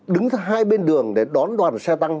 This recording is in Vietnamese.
đứng hai bên đường để đón đoàn xe tăng